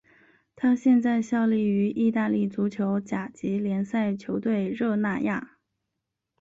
他现在效力于意大利足球甲级联赛球队热那亚。